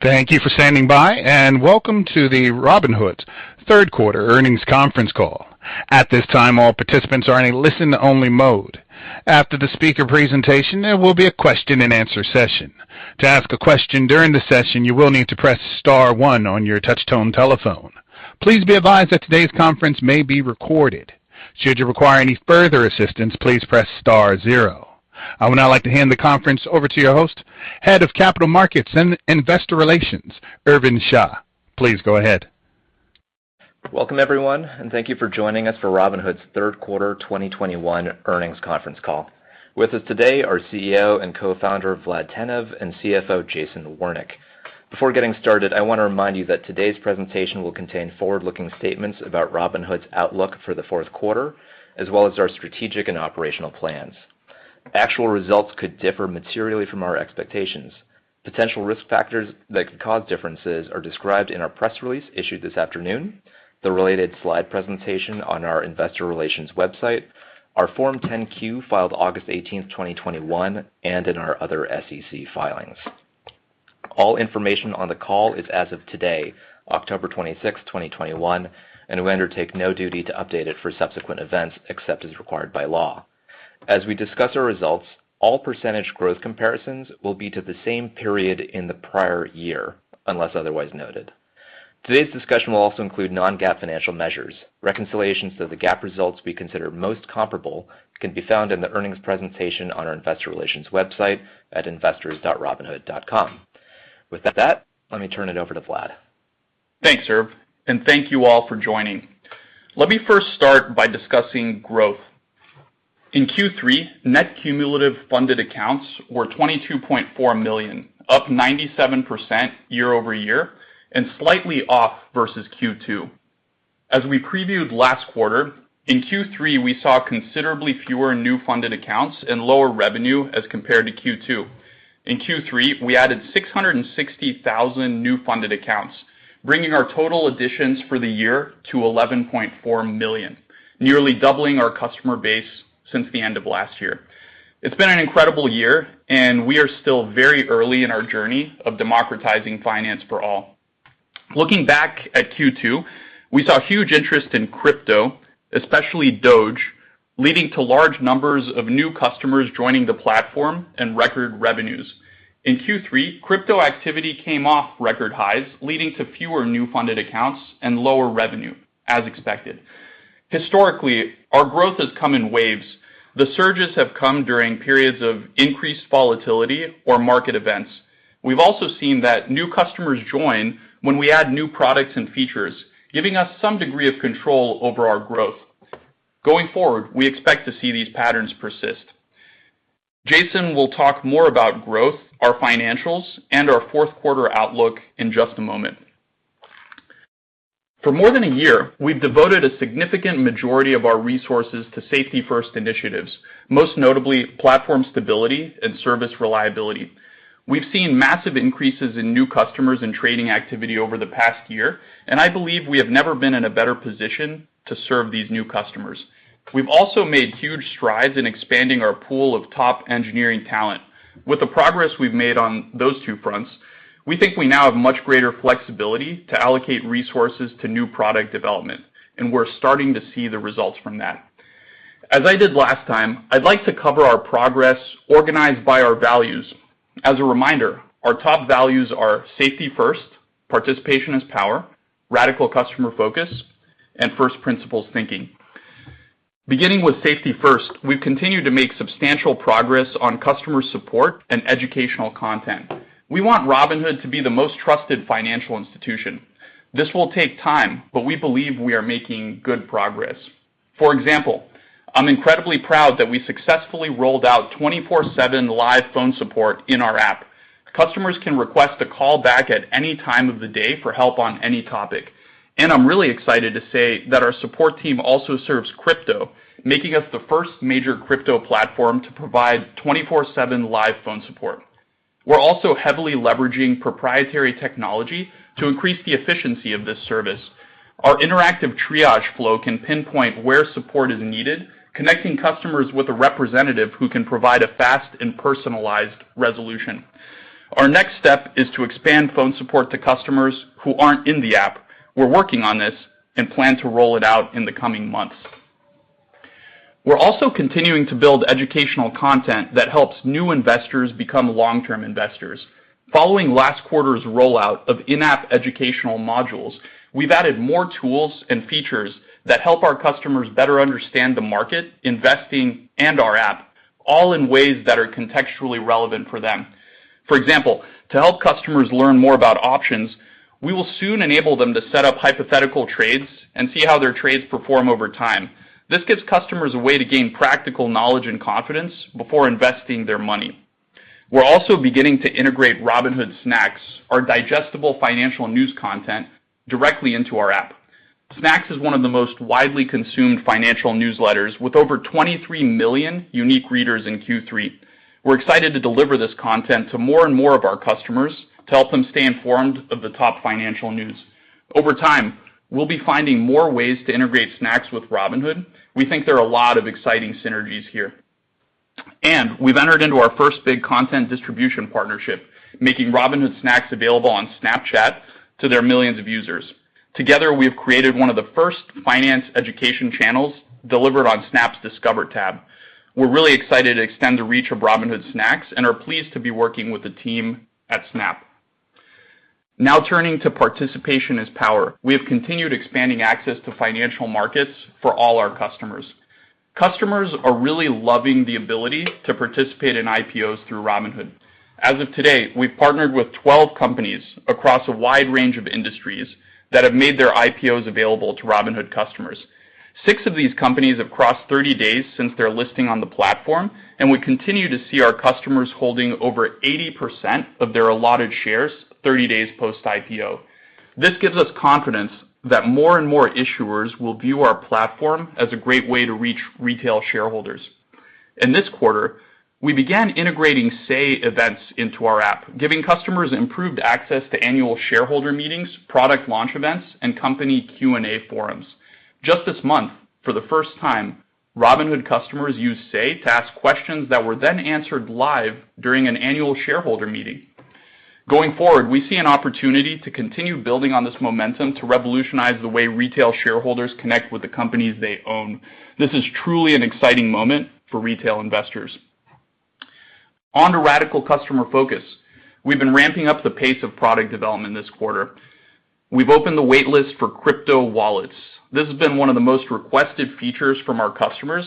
Thank you for standing by, and welcome to the Robinhood third quarter earnings conference call. At this time, all participants are in a listen only mode. After the speaker presentation, there will be a question-and-answer session. To ask a question during the session, you will need to press star one on your touchtone telephone. Please be advised that today's conference may be recorded. Should you require any further assistance, please press star zero. I would now like to hand the conference over to your host, Head of Capital Markets and Investor Relations, Irvin Shah. Please go ahead. Welcome, everyone, and thank you for joining us for Robinhood's third quarter 2021 earnings conference call. With us today are CEO and Co-founder, Vlad Tenev, and CFO, Jason Warnick. Before getting started, I wanna remind you that today's presentation will contain forward-looking statements about Robinhood's outlook for the fourth quarter, as well as our strategic and operational plans. Actual results could differ materially from our expectations. Potential risk factors that could cause differences are described in our press release issued this afternoon, the related slide presentation on our investor relations website, our Form 10-Q filed August 18, 2021, and in our other SEC filings. All information on the call is as of today, October 26, 2021, and we undertake no duty to update it for subsequent events, except as required by law. As we discuss our results, all percentage growth comparisons will be to the same period in the prior year, unless otherwise noted. Today's discussion will also include non-GAAP financial measures. Reconciliations to the GAAP results we consider most comparable can be found in the earnings presentation on our investor relations website at investors.robinhood.com. With that, let me turn it over to Vlad. Thanks, Irvin, and thank you all for joining. Let me first start by discussing growth. In Q3, net cumulative funded accounts were 22.4 million, up 97% year-over-year and slightly off versus Q2. As we previewed last quarter, in Q3, we saw considerably fewer new funded accounts and lower revenue as compared to Q2. In Q3, we added 660,000 new funded accounts, bringing our total additions for the year to 11.4 million, nearly doubling our customer base since the end of last year. It's been an incredible year, and we are still very early in our journey of democratizing finance for all. Looking back at Q2, we saw huge interest in crypto, especially DOGE, leading to large numbers of new customers joining the platform and record revenues. In Q3, crypto activity came off record highs, leading to fewer new funded accounts and lower revenue, as expected. Historically, our growth has come in waves. The surges have come during periods of increased volatility or market events. We've also seen that new customers join when we add new products and features, giving us some degree of control over our growth. Going forward, we expect to see these patterns persist. Jason will talk more about growth, our financials, and our fourth quarter outlook in just a moment. For more than a year, we've devoted a significant majority of our resources to safety first initiatives, most notably platform stability and service reliability. We've seen massive increases in new customers and trading activity over the past year, and I believe we have never been in a better position to serve these new customers. We've also made huge strides in expanding our pool of top engineering talent. With the progress we've made on those two fronts, we think we now have much greater flexibility to allocate resources to new product development, and we're starting to see the results from that. As I did last time, I'd like to cover our progress organized by our values. As a reminder, our top values are safety first, participation is power, radical customer focus, and first principles thinking. Beginning with safety first, we've continued to make substantial progress on customer support and educational content. We want Robinhood to be the most trusted financial institution. This will take time, but we believe we are making good progress. For example, I'm incredibly proud that we successfully rolled out 24/7 live phone support in our app. Customers can request a call back at any time of the day for help on any topic, and I'm really excited to say that our support team also serves crypto, making us the first major crypto platform to provide 24/7 live phone support. We're also heavily leveraging proprietary technology to increase the efficiency of this service. Our interactive triage flow can pinpoint where support is needed, connecting customers with a representative who can provide a fast and personalized resolution. Our next step is to expand phone support to customers who aren't in the app. We're working on this and plan to roll it out in the coming months. We're also continuing to build educational content that helps new investors become long-term investors. Following last quarter's rollout of in-app educational modules, we've added more tools and features that help our customers better understand the market, investing, and our app, all in ways that are contextually relevant for them. For example, to help customers learn more about options, we will soon enable them to set up hypothetical trades and see how their trades perform over time. This gives customers a way to gain practical knowledge and confidence before investing their money. We're also beginning to integrate Robinhood Snacks, our digestible financial news content, directly into our app. Snacks is one of the most widely consumed financial newsletters, with over 23 million unique readers in Q3. We're excited to deliver this content to more and more of our customers to help them stay informed of the top financial news. Over time, we'll be finding more ways to integrate Snacks with Robinhood. We think there are a lot of exciting synergies here. We've entered into our first big content distribution partnership, making Robinhood Snacks available on Snapchat to their millions of users. Together, we have created one of the first finance education channels delivered on Snap's Discover tab. We're really excited to extend the reach of Robinhood Snacks and are pleased to be working with the team at Snap. Now turning to participation as power. We have continued expanding access to financial markets for all our customers. Customers are really loving the ability to participate in IPOs through Robinhood. As of today, we've partnered with 12 companies across a wide range of industries that have made their IPOs available to Robinhood customers. Six of these companies have crossed 30 days since their listing on the platform, and we continue to see our customers holding over 80% of their allotted shares 30 days post-IPO. This gives us confidence that more and more issuers will view our platform as a great way to reach retail shareholders. In this quarter, we began integrating Say events into our app, giving customers improved access to annual shareholder meetings, product launch events, and company Q&A forums. Just this month, for the first time, Robinhood customers used Say to ask questions that were then answered live during an annual shareholder meeting. Going forward, we see an opportunity to continue building on this momentum to revolutionize the way retail shareholders connect with the companies they own. This is truly an exciting moment for retail investors. On to radical customer focus. We've been ramping up the pace of product development this quarter. We've opened the wait list for crypto wallets. This has been one of the most requested features from our customers,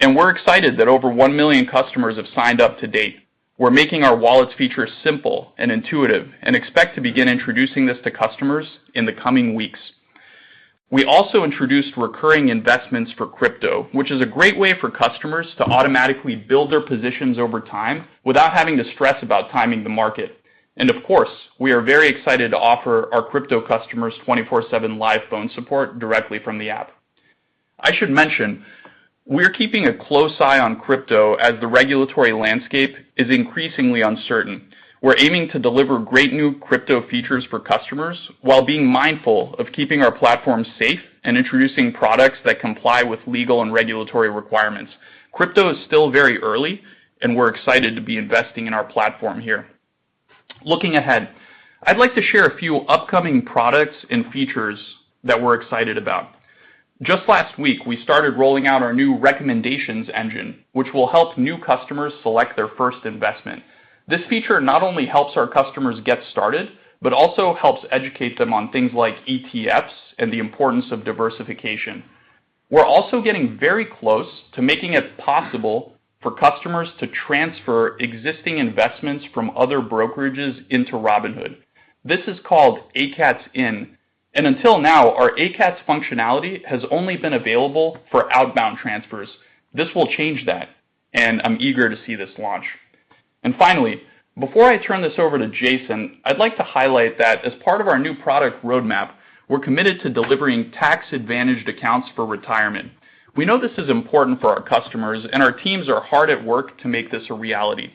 and we're excited that over 1 million customers have signed up to date. We're making our wallets feature simple and intuitive, and expect to begin introducing this to customers in the coming weeks. We also introduced recurring investments for crypto, which is a great way for customers to automatically build their positions over time without having to stress about timing the market. Of course, we are very excited to offer our crypto customers 24/7 live phone support directly from the app. I should mention, we're keeping a close eye on crypto as the regulatory landscape is increasingly uncertain. We're aiming to deliver great new crypto features for customers while being mindful of keeping our platform safe and introducing products that comply with legal and regulatory requirements. Crypto is still very early, and we're excited to be investing in our platform here. Looking ahead, I'd like to share a few upcoming products and features that we're excited about. Just last week, we started rolling out our new recommendations engine, which will help new customers select their first investment. This feature not only helps our customers get started, but also helps educate them on things like ETFs and the importance of diversification. We're also getting very close to making it possible for customers to transfer existing investments from other brokerages into Robinhood. This is called ACATS In, and until now, our ACATS functionality has only been available for outbound transfers. This will change that, and I'm eager to see this launch. Finally, before I turn this over to Jason, I'd like to highlight that as part of our new product roadmap, we're committed to delivering tax-advantaged accounts for retirement. We know this is important for our customers, and our teams are hard at work to make this a reality.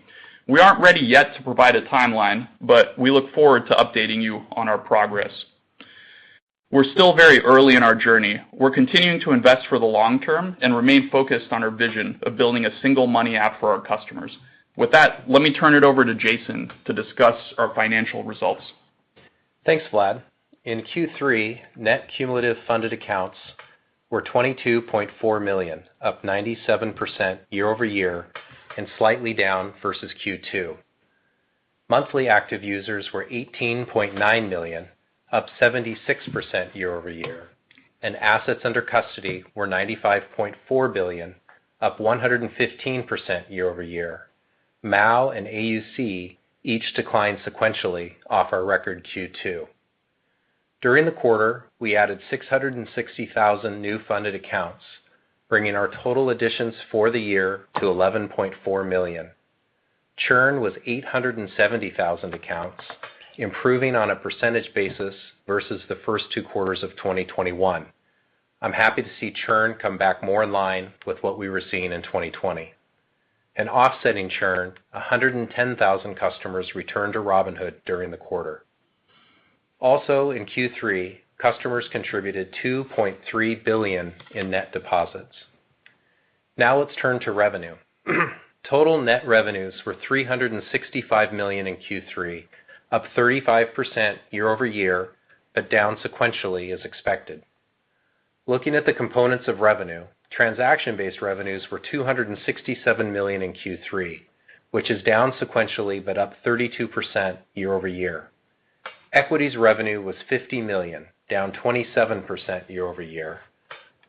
We aren't ready yet to provide a timeline, but we look forward to updating you on our progress. We're still very early in our journey. We're continuing to invest for the long-term and remain focused on our vision of building a single money app for our customers. With that, let me turn it over to Jason to discuss our financial results. Thanks, Vlad. In Q3, net cumulative funded accounts were 22.4 million, up 97% year-over-year and slightly down versus Q2. Monthly active users were 18.9 million, up 76% year-over-year, and assets under custody were $95.4 billion, up 115% year-over-year. MAU and AUC each declined sequentially off our record Q2. During the quarter, we added 660,000 new funded accounts, bringing our total additions for the year to 11.4 million. Churn was 870,000 accounts, improving on a percentage basis versus the first two quarters of 2021. I'm happy to see churn come back more in line with what we were seeing in 2020. Offsetting churn, 110,000 customers returned to Robinhood during the quarter. In Q3, customers contributed $2.3 billion in net deposits. Now let's turn to revenue. Total net revenues were $365 million in Q3, up 35% year-over-year, but down sequentially as expected. Looking at the components of revenue, transaction-based revenues were $267 million in Q3, which is down sequentially but up 32% year-over-year. Equities revenue was $50 million, down 27% year-over-year.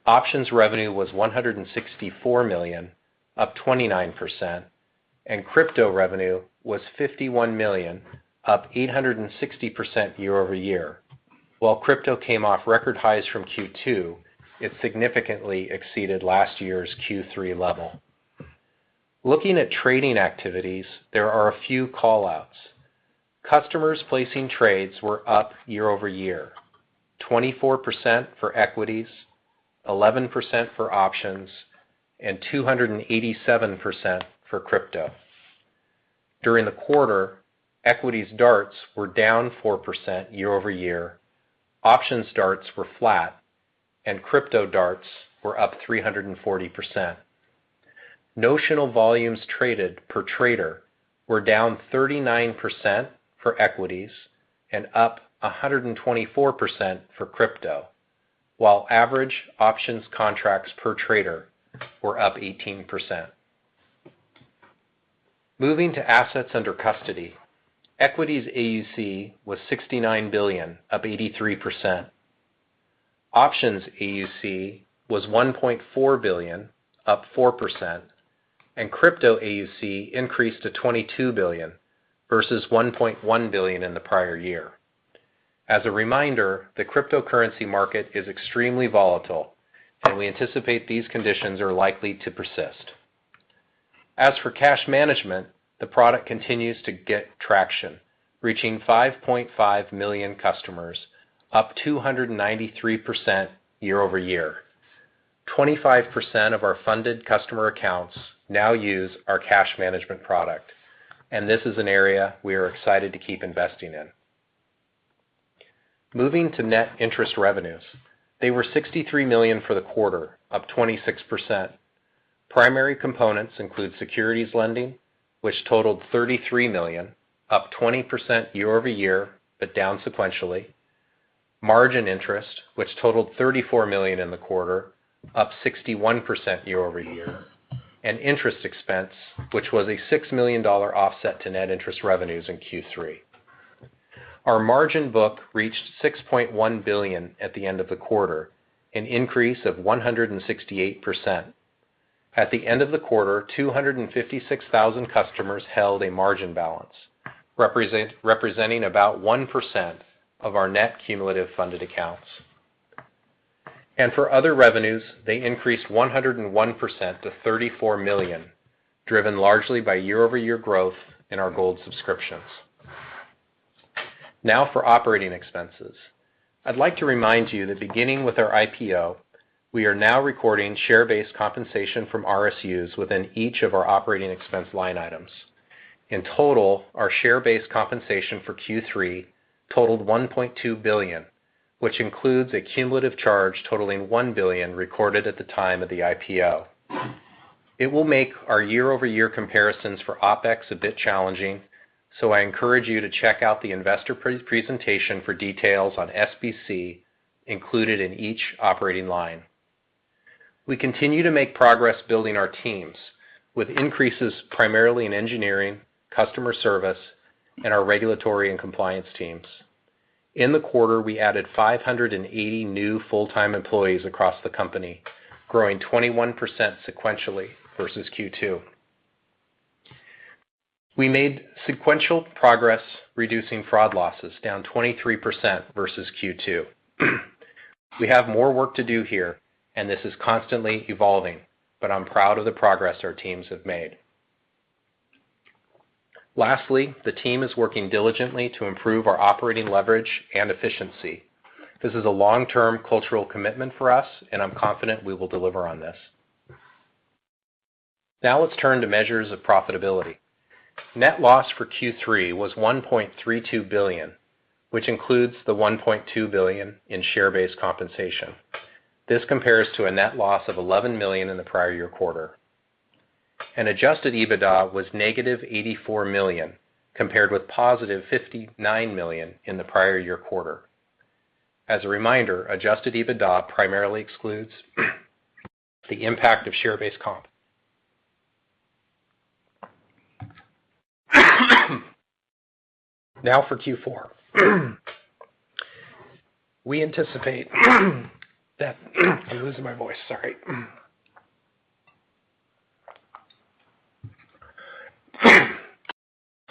Options revenue was $164 million, up 29%. Crypto revenue was $51 million, up 860% year-over-year. While crypto came off record highs from Q2, it significantly exceeded last year's Q3 level. Looking at trading activities, there are a few call-outs. Customers placing trades were up year-over-year, 24% for equities, 11% for options, and 287% for crypto. During the quarter, equities DARTs were down 4% year-over-year, options DARTs were flat, and crypto DARTs were up 340%. Notional volumes traded per trader were down 39% for equities and up 124% for crypto, while average options contracts per trader were up 18%. Moving to assets under custody. Equities AUC was $69 billion, up 83%. Options AUC was $1.4 billion, up 4%, and crypto AUC increased to $22 billion versus $1.1 billion in the prior year. As a reminder, the cryptocurrency market is extremely volatile, and we anticipate these conditions are likely to persist. As for cash management, the product continues to get traction, reaching 5.5 million customers, up 293% year-over-year. 25 of our funded customer accounts now use our cash management product, and this is an area we are excited to keep investing in. Moving to net interest revenues. They were $63 million for the quarter, up 26%. Primary components include securities lending, which totaled $33 million, up 20% year-over-year, but down sequentially. Margin interest, which totaled $34 million in the quarter, up 61% year-over-year. Interest expense, which was a $6 million offset to net interest revenues in Q3. Our margin book reached $6.1 billion at the end of the quarter, an increase of 168%. At the end of the quarter, 256,000 customers held a margin balance, representing about 1% of our net cumulative funded accounts. For other revenues, they increased 101% to $34 million, driven largely by year-over-year growth in our Gold subscriptions. Now for operating expenses. I'd like to remind you that beginning with our IPO, we are now recording share-based compensation from RSUs within each of our operating expense line items. In total, our share-based compensation for Q3 totaled $1.2 billion, which includes a cumulative charge totaling $1 billion recorded at the time of the IPO. It will make our year-over-year comparisons for OpEx a bit challenging, so I encourage you to check out the investor presentation for details on SBC included in each operating line. We continue to make progress building our teams with increases primarily in engineering, customer service, and our regulatory and compliance teams. In the quarter, we added 580 new full-time employees across the company, growing 21% sequentially versus Q2. We made sequential progress, reducing fraud losses down 23% versus Q2. We have more work to do here, and this is constantly evolving, but I'm proud of the progress our teams have made. Lastly, the team is working diligently to improve our operating leverage and efficiency. This is a long-term cultural commitment for us, and I'm confident we will deliver on this. Now let's turn to measures of profitability. Net loss for Q3 was $1.32 billion, which includes the $1.2 billion in share-based compensation. This compares to a net loss of $11 million in the prior year quarter. An adjusted EBITDA was -$84 million, compared with +$59 million in the prior year quarter. As a reminder, adjusted EBITDA primarily excludes the impact of share-based comp. Now for Q4.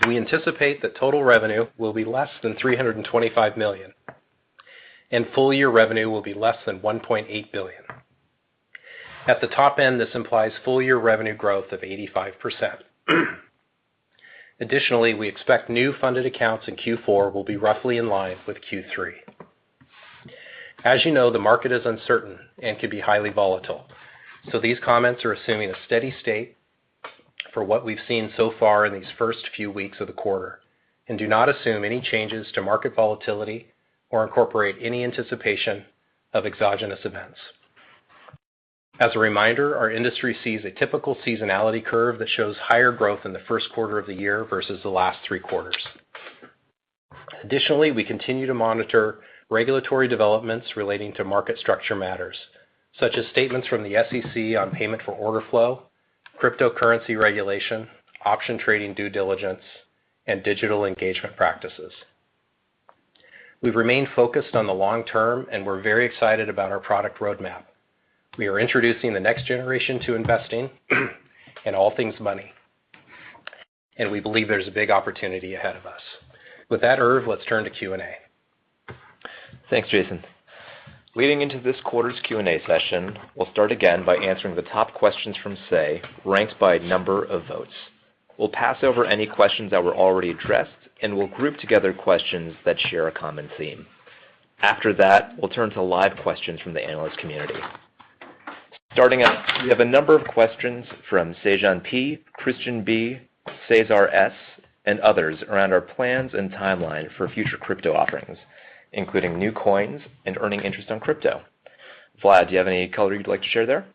We anticipate that total revenue will be less than $325 million and full year revenue will be less than $1.8 billion. At the top end, this implies full year revenue growth of 85%. Additionally, we expect new funded accounts in Q4 will be roughly in line with Q3. As you know, the market is uncertain and can be highly volatile, so these comments are assuming a steady state for what we've seen so far in these first few weeks of the quarter, and do not assume any changes to market volatility or incorporate any anticipation of exogenous events. As a reminder, our industry sees a typical seasonality curve that shows higher growth in the first quarter of the year versus the last three quarters. Additionally, we continue to monitor regulatory developments relating to market structure matters, such as statements from the SEC on payment for order flow, cryptocurrency regulation, option trading due diligence, and digital engagement practices. We've remained focused on the long-term, and we're very excited about our product roadmap. We are introducing the next generation to investing and all things money, and we believe there's a big opportunity ahead of us. With that, Irvin, let's turn to Q&A. Thanks, Jason. Leading into this quarter's Q&A session, we'll start again by answering the top questions from say, ranked by number of votes. We'll pass over any questions that were already addressed, and we'll group together questions that share a common theme. After that, we'll turn to live questions from the analyst community. Starting out, we have a number of questions from Sejan P, Christian B, Cesar S, and others around our plans and timeline for future crypto offerings, including new coins and earning interest on crypto. Vlad, do you have any color you'd like to share there?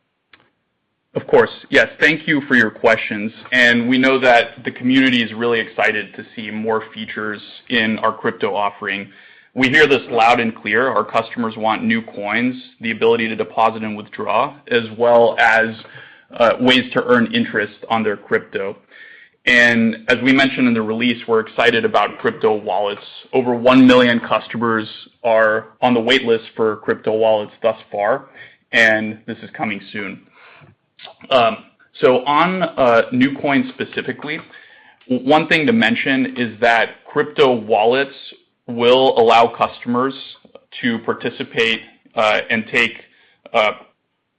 Of course. Yes. Thank you for your questions, and we know that the community is really excited to see more features in our crypto offering. We hear this loud and clear. Our customers want new coins, the ability to deposit and withdraw, as well as ways to earn interest on their crypto. We mentioned in the release, we're excited about crypto wallets. Over 1 million customers are on the wait list for crypto wallets thus far, and this is coming soon. On new coins specifically, one thing to mention is that crypto wallets will allow customers to participate and take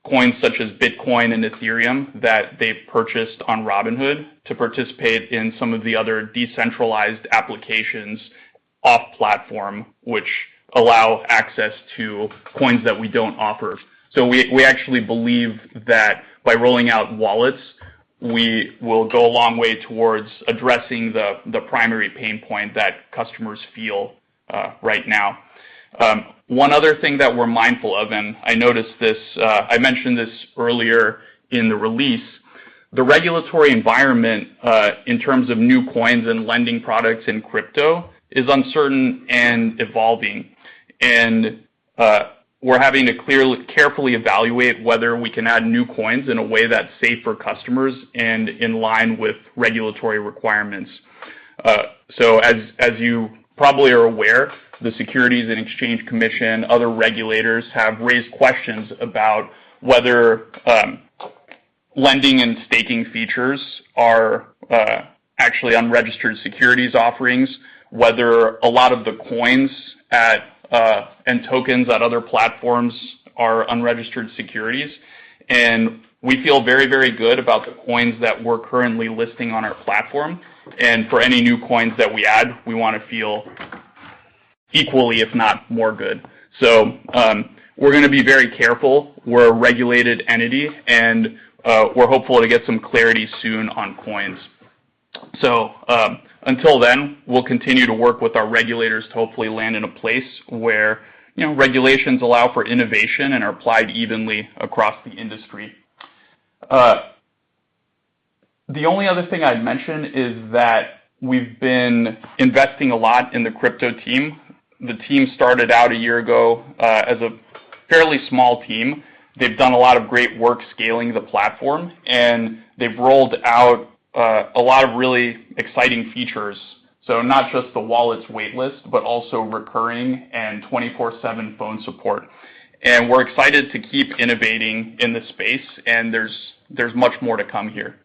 coins such as Bitcoin and Ethereum that they've purchased on Robinhood to participate in some of the other decentralized applications off-platform, which allow access to coins that we don't offer. We actually believe that by rolling out wallets, we will go a long way towards addressing the primary pain point that customers feel right now. One other thing that we're mindful of, I mentioned this earlier in the release, the regulatory environment in terms of new coins and lending products in crypto is uncertain and evolving. We're having to carefully evaluate whether we can add new coins in a way that's safe for customers and in line with regulatory requirements. As you probably are aware, the Securities and Exchange Commission, other regulators, have raised questions about whether lending and staking features are actually unregistered securities offerings, whether a lot of the coins and tokens at other platforms are unregistered securities. We feel very, very good about the coins that we're currently listing on our platform. For any new coins that we add, we wanna feel equally, if not more good. We're gonna be very careful. We're a regulated entity, and we're hopeful to get some clarity soon on coins. Until then, we'll continue to work with our regulators to hopefully land in a place where, you know, regulations allow for innovation and are applied evenly across the industry. The only other thing I'd mention is that we've been investing a lot in the crypto team. The team started out a year ago, as a fairly small team. They've done a lot of great work scaling the platform, and they've rolled out a lot of really exciting features. not just the wallets wait list, but also recurring and 24/7 phone support. We're excited to keep innovating in this space, and there's much more to come here.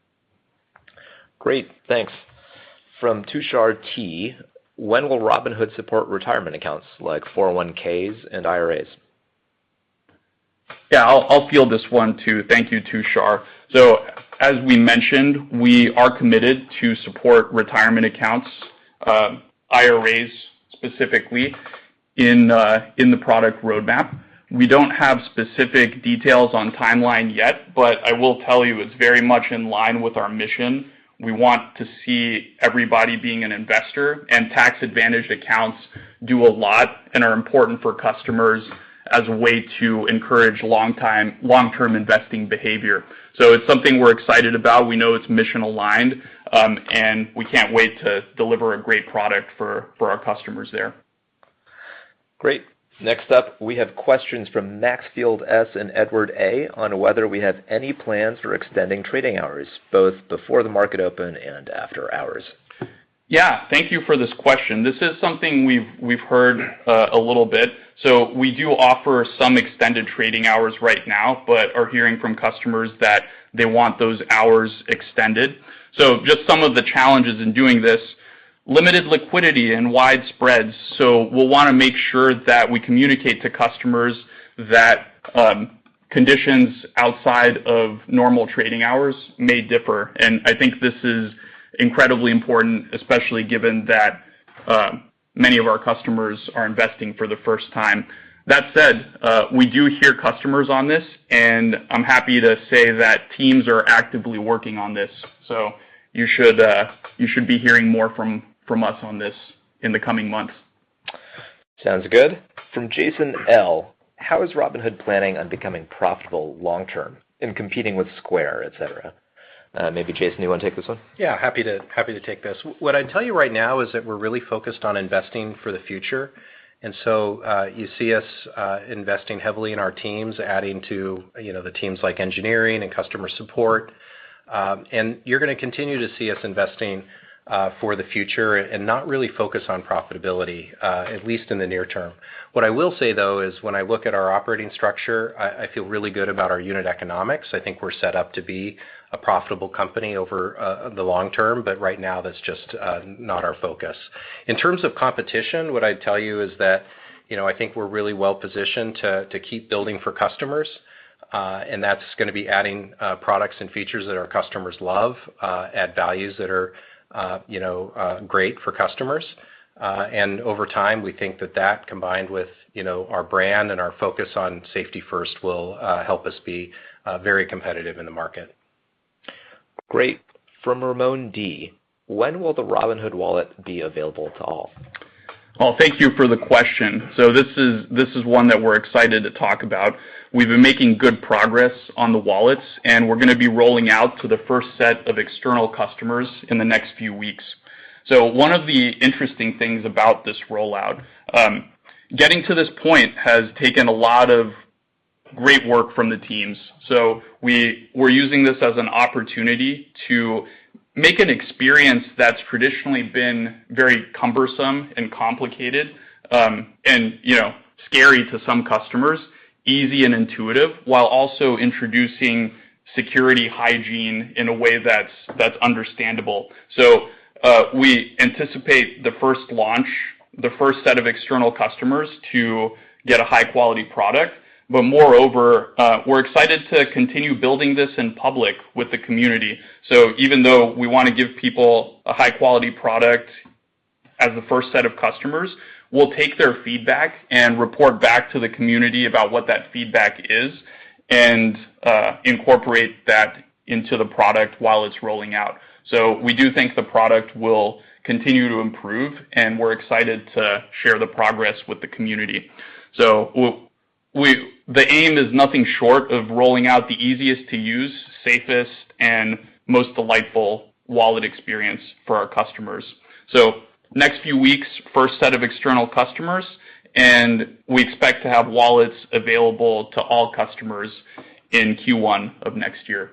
Great. Thanks. From Tushar T, "When will Robinhood support retirement accounts like 401(k)s and IRAs? Yeah, I'll field this one too. Thank you, Tushar. As we mentioned, we are committed to support retirement accounts, IRAs specifically in the product roadmap. We don't have specific details on timeline yet, but I will tell you it's very much in line with our mission. We want to see everybody being an investor, and tax-advantaged accounts do a lot and are important for customers as a way to encourage long-term investing behavior. It's something we're excited about. We know it's mission aligned, and we can't wait to deliver a great product for our customers there. Great. Next up, we have questions from Maxfield S. and Edward A. on whether we have any plans for extending trading hours, both before the market open and after hours. Yeah. Thank you for this question. This is something we've heard a little bit. We do offer some extended trading hours right now, but are hearing from customers that they want those hours extended. Just some of the challenges in doing this, limited liquidity and wide spreads. We'll wanna make sure that we communicate to customers that conditions outside of normal trading hours may differ. I think this is incredibly important, especially given that many of our customers are investing for the first time. That said, we do hear customers on this, and I'm happy to say that teams are actively working on this. You should be hearing more from us on this in the coming months. Sounds good. From Jason L, "How is Robinhood planning on becoming profitable long-term and competing with Square, etc?" Maybe Jason, you wanna take this one? Yeah, happy to take this. What I'd tell you right now is that we're really focused on investing for the future. You see us investing heavily in our teams, adding to, you know, the teams like engineering and customer support. You're gonna continue to see us investing for the future and not really focus on profitability at least in the near-term. What I will say, though, is when I look at our operating structure, I feel really good about our unit economics. I think we're set up to be a profitable company over the long-term, but right now that's just not our focus. In terms of competition, what I'd tell you is that, you know, I think we're really well positioned to keep building for customers, and that's gonna be adding products and features that our customers love at values that are, you know, great for customers. Over time, we think that combined with our brand and our focus on safety first will help us be very competitive in the market. Great. From Ramon D., "When will the Robinhood wallet be available to all? Well, thank you for the question. This is one that we're excited to talk about. We've been making good progress on the wallets, and we're gonna be rolling out to the first set of external customers in the next few weeks. One of the interesting things about this rollout, getting to this point has taken a lot of great work from the teams. We're using this as an opportunity to make an experience that's traditionally been very cumbersome and complicated, and, you know, scary to some customers, easy and intuitive, while also introducing security hygiene in a way that's understandable. We anticipate the first launch, the first set of external customers to get a high-quality product. Moreover, we're excited to continue building this in public with the community. Even though we wanna give people a high-quality product as the first set of customers, we'll take their feedback and report back to the community about what that feedback is and incorporate that into the product while it's rolling out. We do think the product will continue to improve, and we're excited to share the progress with the community. The aim is nothing short of rolling out the easiest to use, safest, and most delightful wallet experience for our customers. In the next few weeks, first set of external customers, and we expect to have wallets available to all customers in Q1 of next year.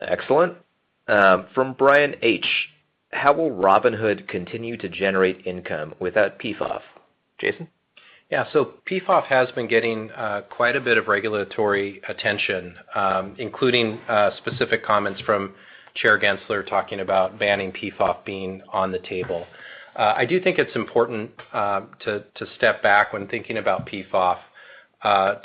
Excellent. From Brian H., "How will Robinhood continue to generate income without PFOF?" Jason? Yeah. PFOF has been getting quite a bit of regulatory attention, including specific comments from Chair Gensler talking about banning PFOF being on the table. I do think it's important to step back when thinking about PFOF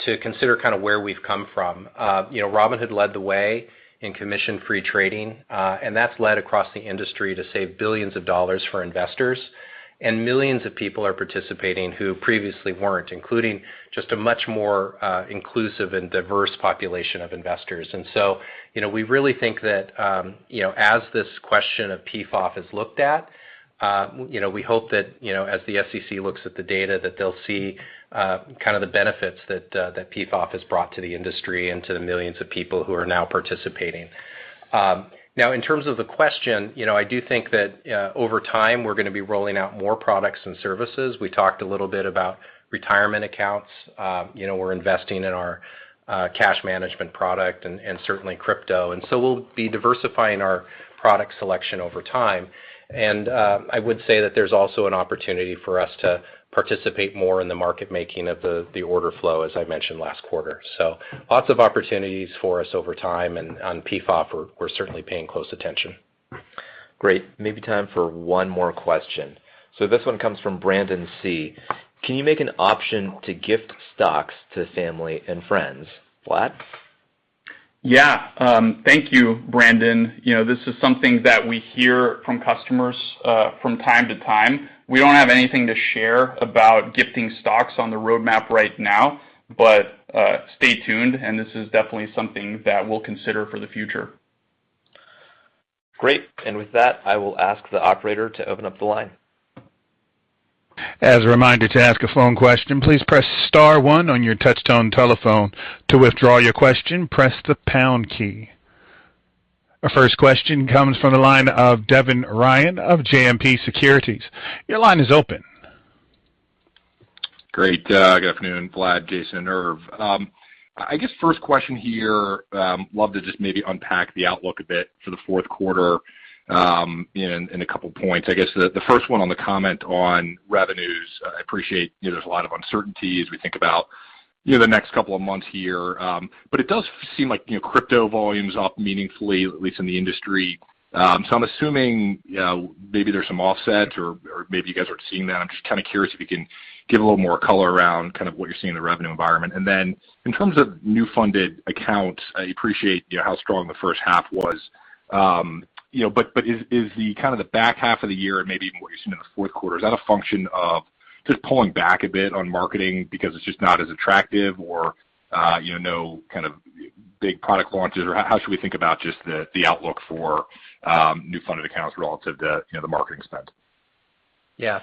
to consider kinda where we've come from. You know, Robinhood led the way in commission-free trading, and that's led across the industry to save billions of dollars for investors, and millions of people are participating who previously weren't, including just a much more inclusive and diverse population of investors. You know, we really think that, you know, as this question of PFOF is looked at, you know, we hope that, you know, as the SEC looks at the data, that they'll see, kinda the benefits that that PFOF has brought to the industry and to the millions of people who are now participating. Now in terms of the question, you know, I do think that over time, we're gonna be rolling out more products and services. We talked a little bit about retirement accounts. You know, we're investing in our cash management product and certainly crypto. We'll be diversifying our product selection over time. I would say that there's also an opportunity for us to participate more in the market making of the order flow, as I mentioned last quarter. Lots of opportunities for us over time, and on PFOF, we're certainly paying close attention. Great. Maybe time for one more question. This one comes from Brandon C., "Can you make an option to gift stocks to family and friends?" Vlad? Yeah. Thank you, Brandon C. You know, this is something that we hear from customers from time to time. We don't have anything to share about gifting stocks on the roadmap right now, but stay tuned, and this is definitely something that we'll consider for the future. Great. With that, I will ask the operator to open up the line. As a reminder, to ask a phone question, please press star one on your touchtone telephone. To withdraw your question, press the pound key. Our first question comes from the line of Devin Ryan of JMP Securities. Your line is open. Great. Good afternoon, Vlad, Jason, and Irv. I guess first question here, love to just maybe unpack the outlook a bit for the fourth quarter, in a couple points. I guess the first one on the comment on revenues, I appreciate, you know, there's a lot of uncertainty as we think about, you know, the next couple of months here. But it does seem like, you know, crypto volume's up meaningfully, at least in the industry. So I'm assuming, you know, maybe there's some offset or maybe you guys aren't seeing that. I'm just kinda curious if you can give a little more color around kind of what you're seeing in the revenue environment. In terms of new funded accounts, I appreciate, you know, how strong the first half was. You know, is kind of the back half of the year and maybe more what you're seeing in the fourth quarter, is that a function of just pulling back a bit on marketing because it's just not as attractive or, you know, kind of big product launches? How should we think about just the outlook for new funded accounts relative to, you know, the marketing spend?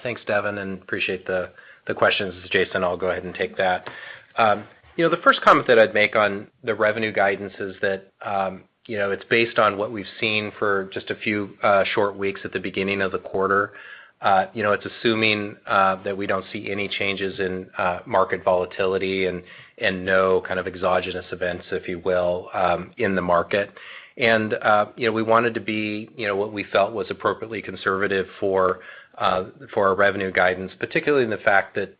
Thanks, Devin. I appreciate the questions. This is Jason. I'll go ahead and take that. You know, the first comment that I'd make on the revenue guidance is that, you know, it's based on what we've seen for just a few short weeks at the beginning of the quarter. You know, it's assuming that we don't see any changes in market volatility and no kind of exogenous events, if you will, in the market. You know, we wanted to be, you know, what we felt was appropriately conservative for our revenue guidance, particularly in the fact that,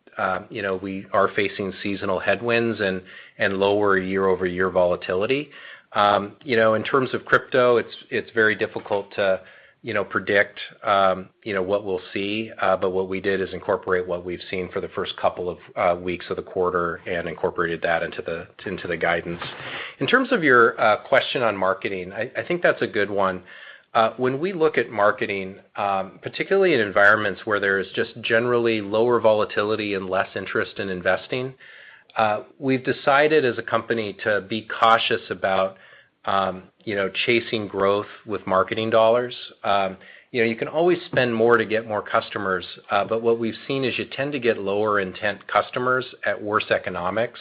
you know, we are facing seasonal headwinds and lower year-over-year volatility. You know, in terms of crypto, it's very difficult to, you know, predict what we'll see, but what we did is incorporate what we've seen for the first couple of weeks of the quarter and incorporated that into the guidance. In terms of your question on marketing, I think that's a good one. When we look at marketing, particularly in environments where there is just generally lower volatility and less interest in investing, we've decided as a company to be cautious about, you know, chasing growth with marketing dollars. You know, you can always spend more to get more customers, but what we've seen is you tend to get lower intent customers at worse economics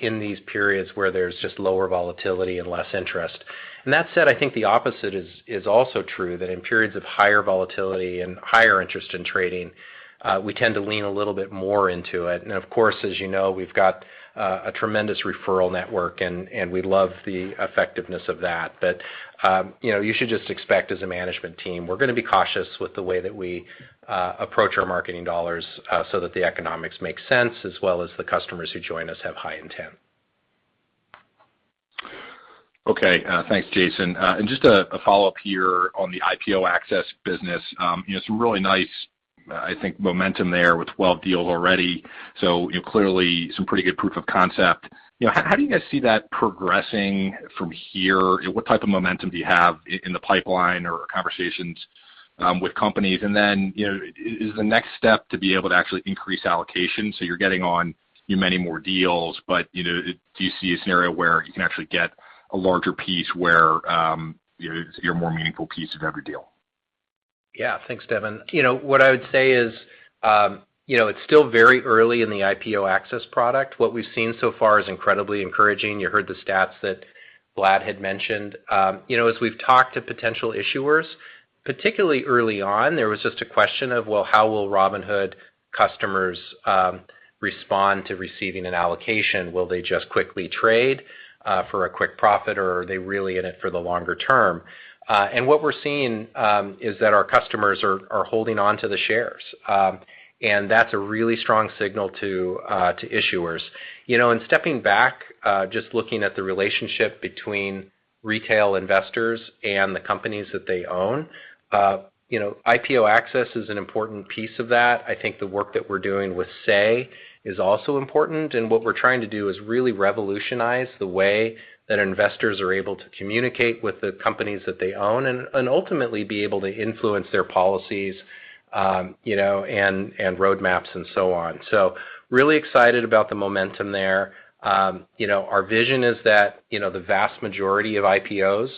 in these periods where there's just lower volatility and less interest. That said, I think the opposite is also true, that in periods of higher volatility and higher interest in trading, we tend to lean a little bit more into it. Of course, as you know, we've got a tremendous referral network and we love the effectiveness of that. You know, you should just expect as a management team, we're gonna be cautious with the way that we approach our marketing dollars, so that the economics make sense, as well as the customers who join us have high intent. Okay. Thanks, Jason. Just a follow-up here on the IPO Access business. You know, some really nice, I think, momentum there with 12 deals already, so, you know, clearly some pretty good proof of concept. You know, how do you guys see that progressing from here? What type of momentum do you have in the pipeline or conversations with companies? And then, you know, is the next step to be able to actually increase allocation, so you're getting on, you know, many more deals, but, you know, do you see a scenario where you can actually get a larger piece where you're a more meaningful piece of every deal? Yeah. Thanks, Devin. You know, what I would say is, you know, it's still very early in the IPO Access product. What we've seen so far is incredibly encouraging. You heard the stats that Vlad had mentioned. You know, as we've talked to potential issuers, particularly early on, there was just a question of, well, how will Robinhood customers respond to receiving an allocation? Will they just quickly trade for a quick profit, or are they really in it for the longer-term? What we're seeing is that our customers are holding onto the shares. That's a really strong signal to issuers. You know, stepping back, just looking at the relationship between retail investors and the companies that they own, you know, IPO Access is an important piece of that. I think the work that we're doing with Say is also important, and what we're trying to do is really revolutionize the way that investors are able to communicate with the companies that they own and ultimately be able to influence their policies, you know, and roadmaps and so on. Really excited about the momentum there. You know, our vision is that, you know, the vast majority of IPOs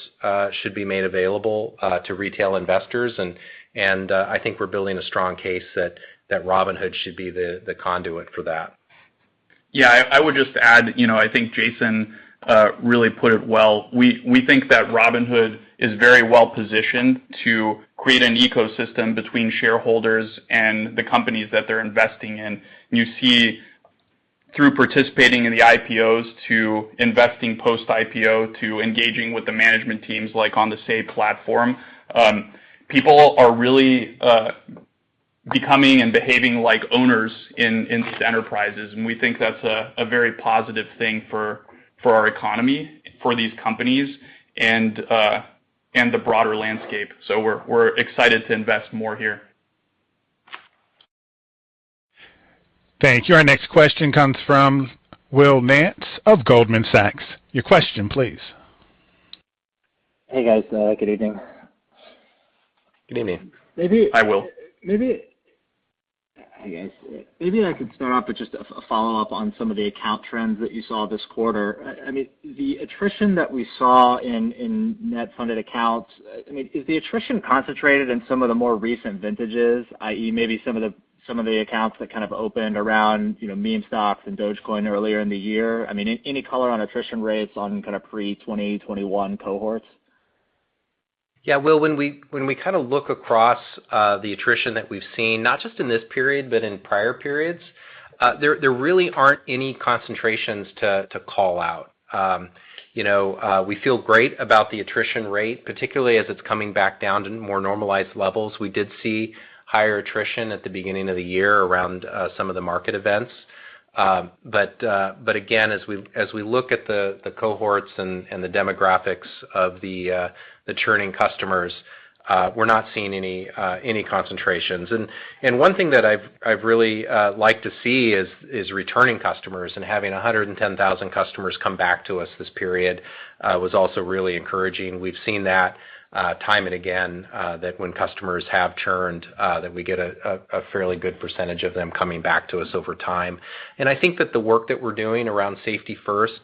should be made available to retail investors, and I think we're building a strong case that Robinhood should be the conduit for that. Yeah, I would just add, you know, I think Jason really put it well. We think that Robinhood is very well positioned to create an ecosystem between shareholders and the companies that they're investing in. You see through participating in the IPOs to investing post-IPO to engaging with the management teams, like on the Say platform, people are really becoming and behaving like owners in these enterprises, and we think that's a very positive thing for our economy, for these companies and the broader landscape. We're excited to invest more here. Thank you. Our next question comes from Will Nance of Goldman Sachs. Your question, please. Hey, guys. Good evening. Good evening. Good evening. Hi, Will. Maybe I could start off with just a follow-up on some of the account trends that you saw this quarter. I mean, the attrition that we saw in net funded accounts, I mean, is the attrition concentrated in some of the more recent vintages, i.e., maybe some of the accounts that kind of opened around, you know, meme stocks and Dogecoin earlier in the year? I mean, any color on attrition rates on kind of pre-2021 cohorts? Yeah, Will Nance, when we kind of look across the attrition that we've seen, not just in this period, but in prior periods, there really aren't any concentrations to call out. You know, we feel great about the attrition rate, particularly as it's coming back down to more normalized levels. We did see higher attrition at the beginning of the year around some of the market events. Again, as we look at the cohorts and the demographics of the churning customers, we're not seeing any concentrations. One thing that I've really like to see is returning customers and having 110,000 customers come back to us this period was also really encouraging. We've seen that time and again that when customers have churned that we get a fairly good percentage of them coming back to us over time. I think that the work that we're doing around Safety First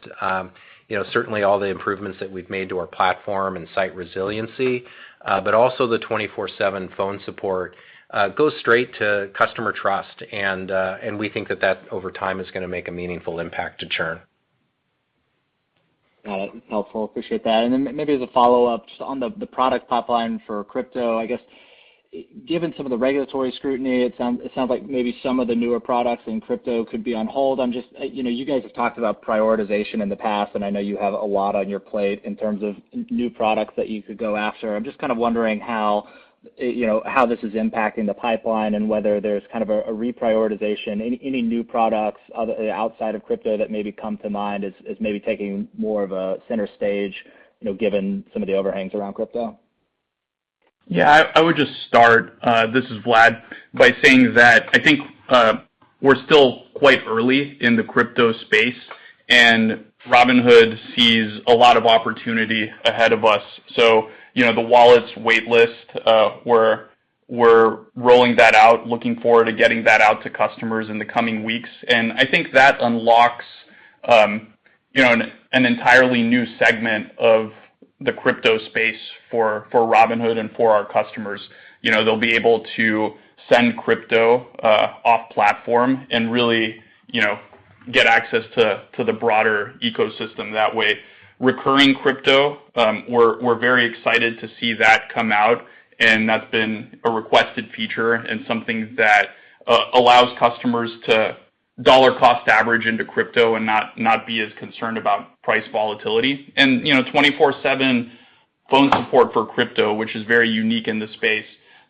certainly all the improvements that we've made to our platform and site resiliency but also the 24/7 phone support goes straight to customer trust, and we think that that over time is gonna make a meaningful impact to churn. Got it. Helpful. Appreciate that. Then maybe as a follow-up, just on the product pipeline for crypto, I guess, given some of the regulatory scrutiny, it sounds like maybe some of the newer products in crypto could be on hold. I'm just, you know, you guys have talked about prioritization in the past, and I know you have a lot on your plate in terms of new products that you could go after. I'm just kind of wondering how, you know, how this is impacting the pipeline and whether there's kind of a reprioritization. Any new products outside of crypto that maybe come to mind as maybe taking more of a center stage, you know, given some of the overhangs around crypto? Yeah. I would just start, this is Vlad, by saying that I think we're still quite early in the crypto space. Robinhood sees a lot of opportunity ahead of us. You know, the wallets wait list, we're rolling that out, looking forward to getting that out to customers in the coming weeks. I think that unlocks, you know, an entirely new segment of the crypto space for Robinhood and for our customers. You know, they'll be able to send crypto off platform and really, you know, get access to the broader ecosystem that way. Recurring crypto, we're very excited to see that come out, and that's been a requested feature and something that allows customers to dollar cost average into crypto and not be as concerned about price volatility. You know, 24/7 phone support for crypto, which is very unique in this space.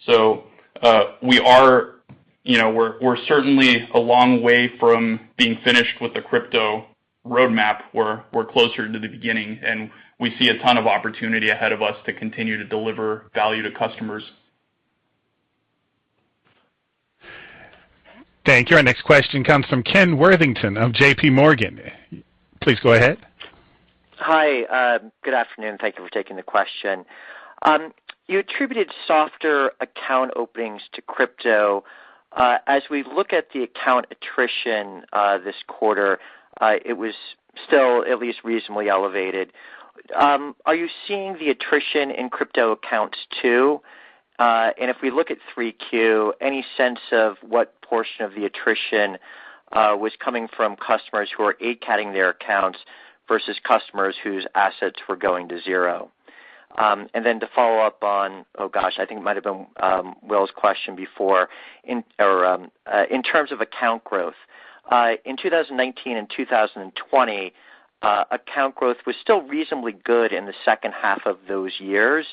We are, you know, we're certainly a long way from being finished with the crypto roadmap. We're closer to the beginning, and we see a ton of opportunity ahead of us to continue to deliver value to customers. Thank you. Our next question comes from Ken Worthington of JPMorgan. Please go ahead. Hi, good afternoon. Thank you for taking the question. You attributed softer account openings to crypto. As we look at the account attrition this quarter, it was still at least reasonably elevated. Are you seeing the attrition in crypto accounts too? If we look at 3Q, any sense of what portion of the attrition was coming from customers who are ACATing their accounts versus customers whose assets were going to zero? To follow up on, oh gosh, I think it might have been Will's question before. In terms of account growth in 2019 and 2020, account growth was still reasonably good in the second half of those years.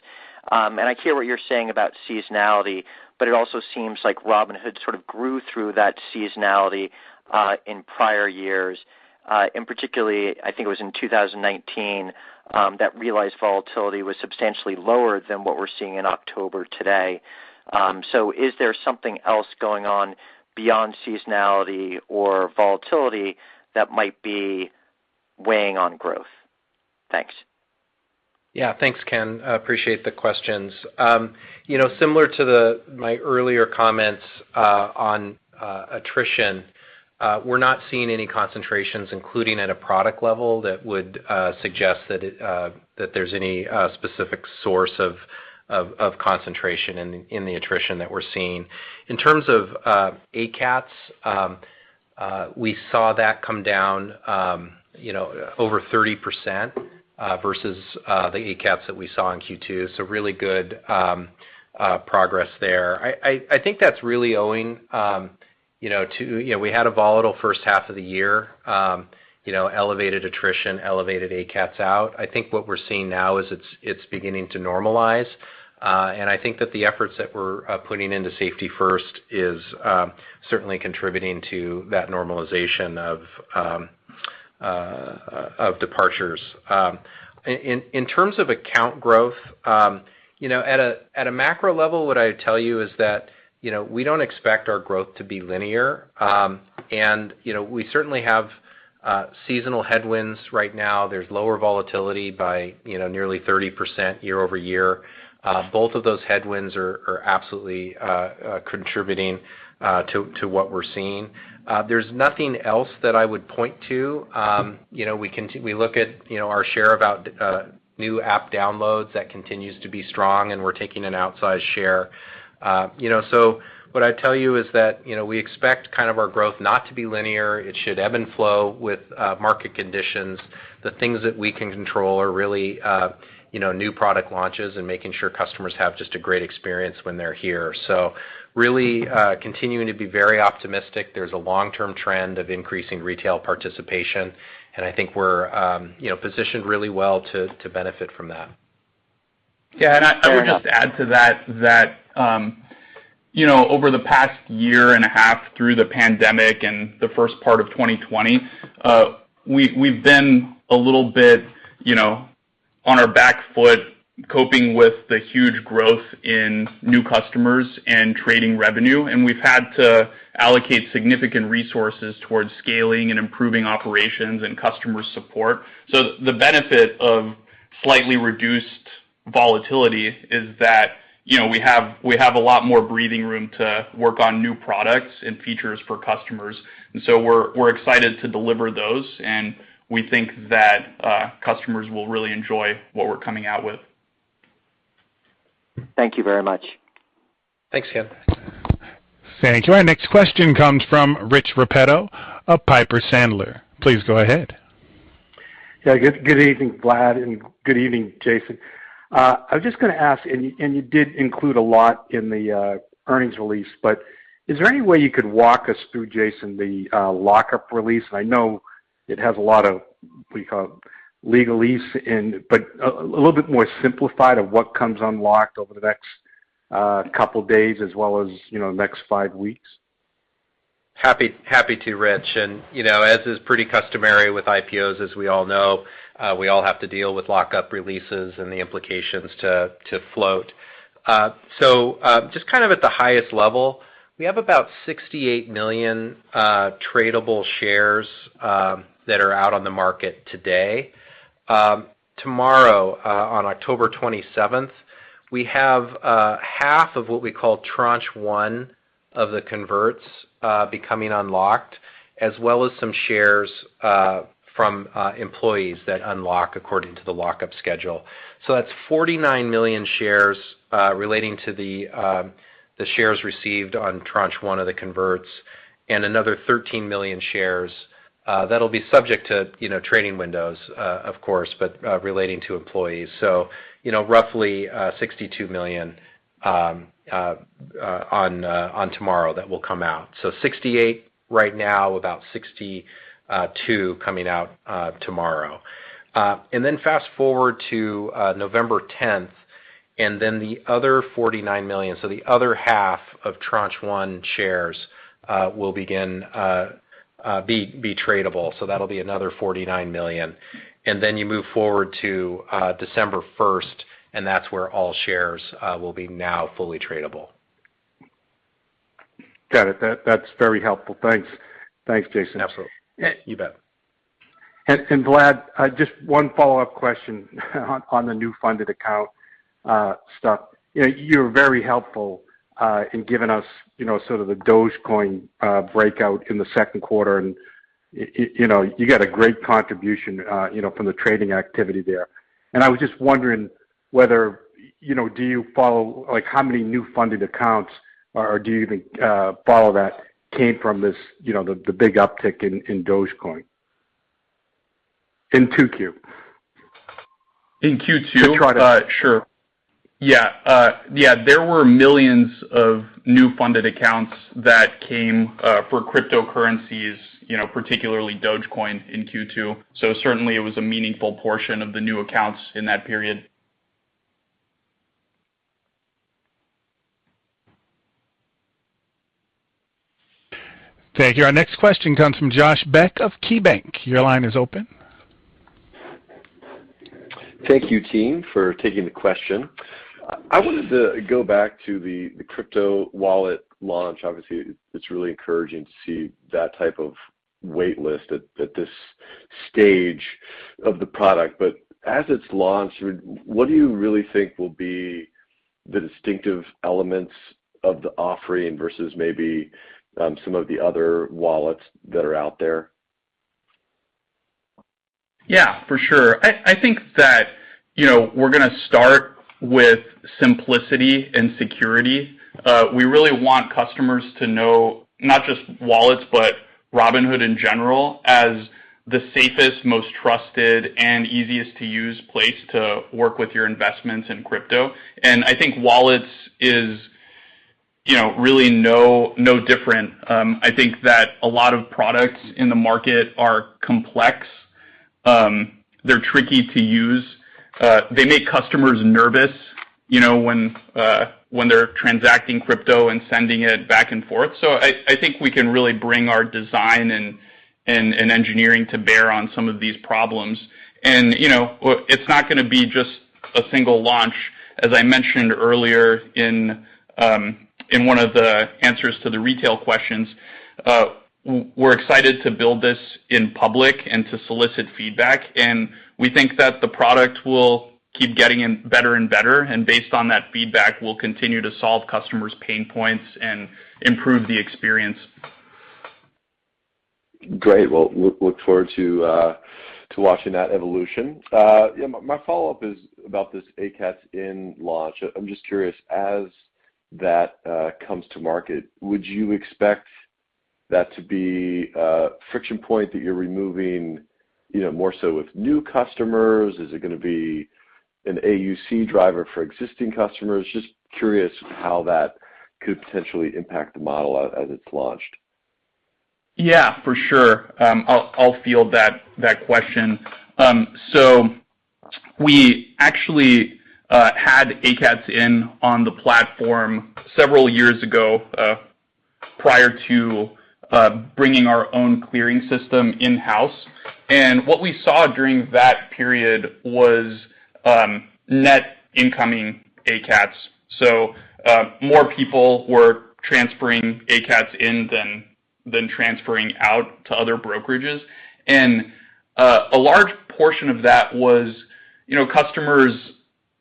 I hear what you're saying about seasonality, but it also seems like Robinhood sort of grew through that seasonality in prior years. Particularly, I think it was in 2019 that realized volatility was substantially lower than what we're seeing in October today. Is there something else going on beyond seasonality or volatility that might be weighing on growth? Thanks. Yeah. Thanks, Ken. I appreciate the questions. You know, similar to my earlier comments on attrition, we're not seeing any concentrations, including at a product level that would suggest that there's any specific source of concentration in the attrition that we're seeing. In terms of ACATS, we saw that come down, you know, over 30% versus the ACATS that we saw in Q2, so really good progress there. I think that's really owing, you know, to, you know, we had a volatile first half of the year, you know, elevated attrition, elevated ACATS out. I think what we're seeing now is it's beginning to normalize. I think that the efforts that we're putting into Safety First is certainly contributing to that normalization of departures. In terms of account growth, you know, at a macro level, what I tell you is that, you know, we don't expect our growth to be linear. You know, we certainly have seasonal headwinds right now. There's lower volatility by nearly 30% year-over-year. Both of those headwinds are absolutely contributing to what we're seeing. There's nothing else that I would point to. You know, we look at our share of new app downloads that continues to be strong, and we're taking an outsized share. You know, what I tell you is that, you know, we expect kind of our growth not to be linear. It should ebb and flow with market conditions. The things that we can control are really, you know, new product launches and making sure customers have just a great experience when they're here. Really, continuing to be very optimistic. There's a long-term trend of increasing retail participation, and I think we're, you know, positioned really well to benefit from that. Yeah, I would just add to that you know, over the past 1.5 years through the pandemic and the first part of 2020, we've been a little bit, you know, on our back foot coping with the huge growth in new customers and trading revenue, and we've had to allocate significant resources towards scaling and improving operations and customer support. The benefit of slightly reduced volatility is that, you know, we have a lot more breathing room to work on new products and features for customers. We're excited to deliver those, and we think that customers will really enjoy what we're coming out with. Thank you very much. Thanks, Ken. Thank you. Our next question comes from Richard Repetto of Piper Sandler. Please go ahead. Yeah. Good evening, Vlad, and good evening, Jason. I was just gonna ask, and you did include a lot in the earnings release, but is there any way you could walk us through, Jason, the lock-up release? I know it has a lot of, what do you call it? Legalese in it, but a little bit more simplified of what comes unlocked over the next couple days as well as, you know, next five weeks. Happy to, Rich. You know, as is pretty customary with IPOs, as we all know, we all have to deal with lockup releases and the implications to float. Just kind of at the highest level. We have about 68 million tradable shares that are out on the market today. Tomorrow, on October 27th, we have half of what we call tranche 1 of the converts becoming unlocked, as well as some shares from employees that unlock according to the lockup schedule. That's 49 million shares relating to the shares received on tranche 1 of the converts and another 13 million shares that'll be subject to trading windows, of course, but relating to employees. You know, roughly 62 million out tomorrow that will come out. 68 million right now, about 62 million coming out tomorrow. Fast-forward to November 10th, and then the other 49 million, so the other half of tranche 1 shares, will begin to be tradable. That'll be another 49 million. You move forward to December 1st, and that's where all shares will be now fully tradable. Got it. That's very helpful. Thanks, Jason. Absolutely. Yeah, you bet. Vlad, just one follow-up question on the new funded account stuff. You know, you're very helpful in giving us, you know, sort of the Dogecoin breakout in the second quarter, and you know, you got a great contribution, you know, from the trading activity there. I was just wondering whether, you know, do you follow like how many new funded accounts, or do you even follow that came from this, you know, the big uptick in Dogecoin in 2Q? In Q2? To try to- There were millions of new funded accounts that came for cryptocurrencies, you know, particularly Dogecoin in Q2. Certainly it was a meaningful portion of the new accounts in that period. Thank you. Our next question comes from Josh Beck of KeyBanc. Your line is open. Thank you, team, for taking the question. I wanted to go back to the crypto wallet launch. Obviously, it's really encouraging to see that type of wait list at this stage of the product. As it's launched, what do you really think will be the distinctive elements of the offering versus maybe some of the other wallets that are out there? Yeah, for sure. I think that, you know, we're gonna start with simplicity and security. We really want customers to know not just wallets, but Robinhood in general as the safest, most trusted, and easiest to use place to work with your investments in crypto. I think wallets is, you know, really no different. I think that a lot of products in the market are complex. They're tricky to use. They make customers nervous, you know, when they're transacting crypto and sending it back and forth. I think we can really bring our design and engineering to bear on some of these problems. You know, it's not gonna be just a single launch. As I mentioned earlier in one of the answers to the retail questions, we're excited to build this in public and to solicit feedback, and we think that the product will keep getting better and better. Based on that feedback, we'll continue to solve customers' pain points and improve the experience. Great. Well, look forward to watching that evolution. Yeah, my follow-up is about this ACATS-in launch. I'm just curious, as that comes to market, would you expect that to be a friction point that you're removing, you know, more so with new customers? Is it gonna be an AUC driver for existing customers? Just curious how that could potentially impact the model as it's launched. Yeah, for sure. I'll field that question. We actually had ACATS in on the platform several years ago prior to bringing our own clearing system in-house. What we saw during that period was net incoming ACATS. More people were transferring ACATS in than transferring out to other brokerages. A large portion of that was, you know, customers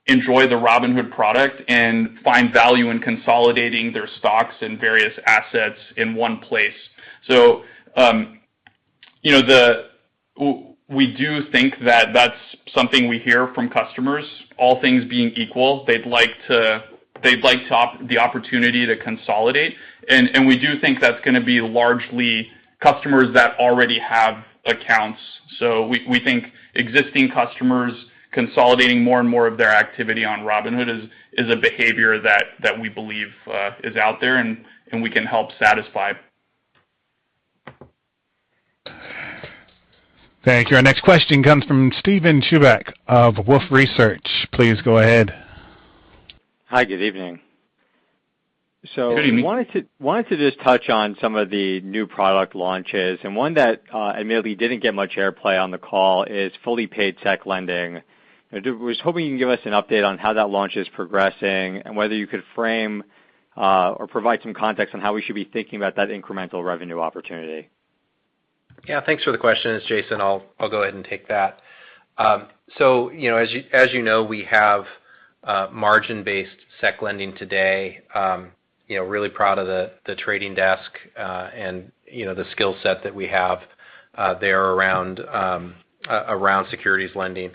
enjoy the Robinhood product and find value in consolidating their stocks and various assets in one place. You know, we do think that that's something we hear from customers. All things being equal, they'd like to have the opportunity to consolidate. We do think that's gonna be largely customers that already have accounts. We think existing customers consolidating more and more of their activity on Robinhood is a behavior that we believe is out there and we can help satisfy. Thank you. Our next question comes from Steven Chubak of Wolfe Research. Please go ahead. Hi, good evening. Good evening. Wanted to just touch on some of the new product launches, and one that admittedly didn't get much airplay on the call is fully paid securities lending. I was hoping you can give us an update on how that launch is progressing and whether you could frame or provide some context on how we should be thinking about that incremental revenue opportunity. Yeah, thanks for the question. It's Jason. I'll go ahead and take that. You know, as you know, we have margin-based securities lending today. You know, really proud of the trading desk and you know the skill set that we have there around securities lending.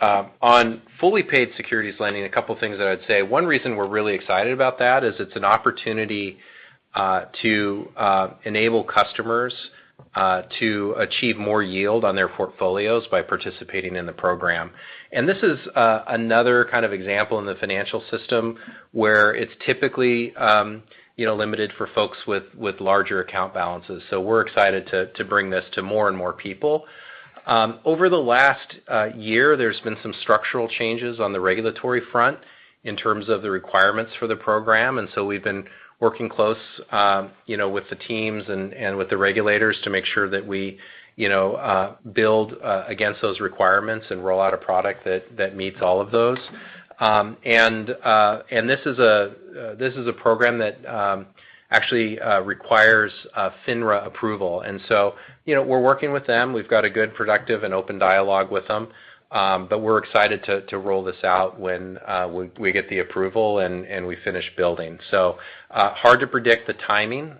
On fully paid securities lending, a couple of things that I'd say. One reason we're really excited about that is it's an opportunity to enable customers to achieve more yield on their portfolios by participating in the program. This is another kind of example in the financial system where it's typically limited for folks with larger account balances. We're excited to bring this to more and more people. Over the last year, there's been some structural changes on the regulatory front in terms of the requirements for the program, and we've been working closely, you know, with the teams and with the regulators to make sure that we, you know, build against those requirements and roll out a product that meets all of those. This is a program that actually requires a FINRA approval. You know, we're working with them. We've got a good productive and open dialogue with them, but we're excited to roll this out when we get the approval and we finish building. Hard to predict the timing,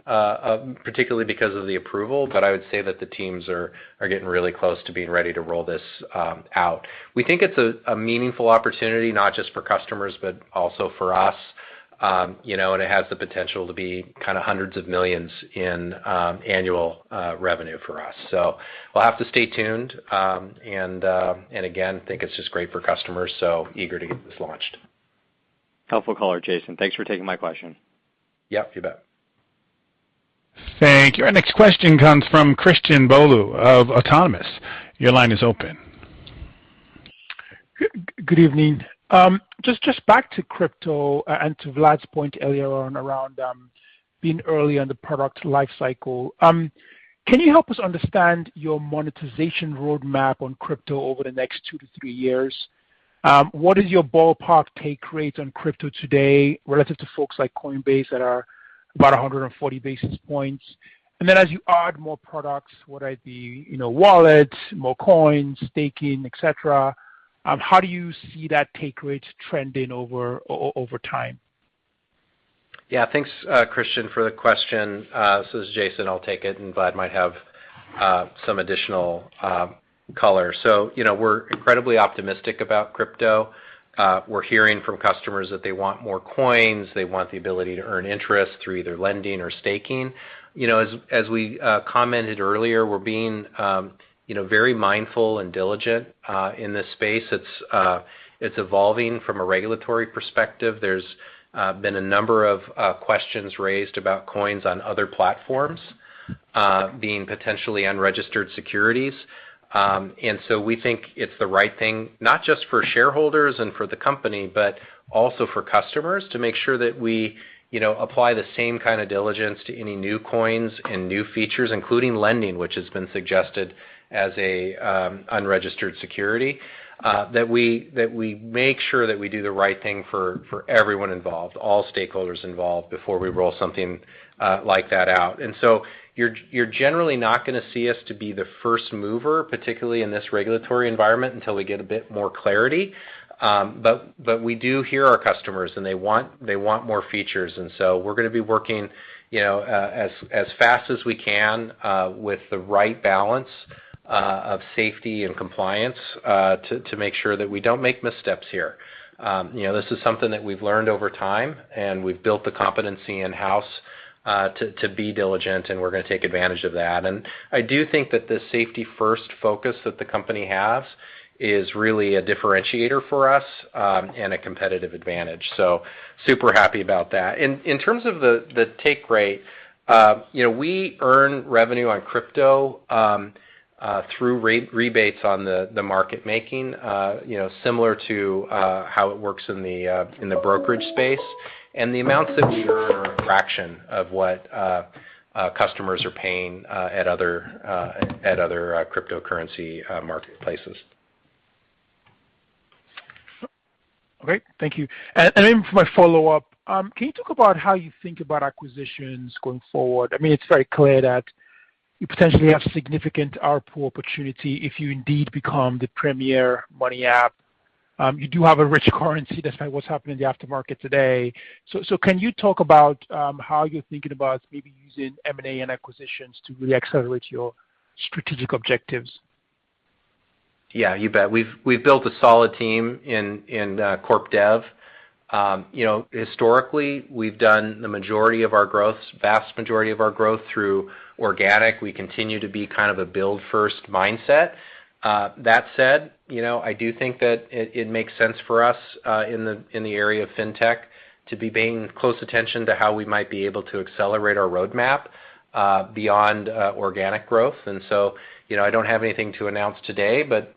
particularly because of the approval, but I would say that the teams are getting really close to being ready to roll this out. We think it's a meaningful opportunity, not just for customers, but also for us, you know, and it has the potential to be kinda hundreds of millions of dollars in annual revenue for us. We'll have to stay tuned. Again, I think it's just great for customers, so we're eager to get this launched. Helpful call, Jason. Thanks for taking my question. Yeah, you bet. Thank you. Our next question comes from Christian Bolu of Autonomous. Your line is open. Good evening. Just back to crypto and to Vlad's point earlier on around being early on the product life cycle. Can you help us understand your monetization roadmap on crypto over the next 2-3 years? What is your ballpark take rate on crypto today relative to folks like Coinbase that are about 140 basis points? As you add more products, what are the, you know, wallets, more coins, staking, etc, how do you see that take rate trending over time? Yeah. Thanks, Christian, for the question. This is Jason, I'll take it, and Vlad might have some additional color. You know, we're incredibly optimistic about crypto. We're hearing from customers that they want more coins. They want the ability to earn interest through either lending or staking. You know, as we commented earlier, we're being, you know, very mindful and diligent in this space. It's evolving from a regulatory perspective. There's been a number of questions raised about coins on other platforms being potentially unregistered securities. We think it's the right thing, not just for shareholders and for the company, but also for customers to make sure that we, you know, apply the same kind of diligence to any new coins and new features, including lending, which has been suggested as a unregistered security, that we make sure that we do the right thing for everyone involved, all stakeholders involved before we roll something like that out. You're generally not gonna see us to be the first mover, particularly in this regulatory environment, until we get a bit more clarity. We do hear our customers, and they want more features. We're gonna be working, you know, as fast as we can, with the right balance of safety and compliance, to make sure that we don't make missteps here. You know, this is something that we've learned over time, and we've built the competency in-house, to be diligent, and we're gonna take advantage of that. I do think that the safety-first focus that the company has is really a differentiator for us, and a competitive advantage. Super happy about that. In terms of the take rate, you know, we earn revenue on crypto through rebates on the market making, you know, similar to how it works in the brokerage space. The amounts that we earn are a fraction of what customers are paying at other cryptocurrency marketplaces. Okay. Thank you. For my follow-up, can you talk about how you think about acquisitions going forward? I mean, it's very clear that you potentially have significant ARPU opportunity if you indeed become the premier money app. You do have a rich currency despite what's happening in the aftermarket today. So can you talk about how you're thinking about maybe using M&A and acquisitions to really accelerate your strategic objectives? Yeah, you bet. We've built a solid team in corp dev. You know, historically, we've done the majority of our growth, vast majority of our growth through organic. We continue to be kind of a build first mindset. That said, you know, I do think that it makes sense for us in the area of fintech to be paying close attention to how we might be able to accelerate our roadmap beyond organic growth. You know, I don't have anything to announce today, but